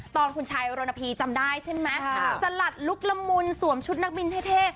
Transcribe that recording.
ไทยโรนพีจำได้ใช่ไหมสลัดลูกละมุนสวมชุดนักบินเท่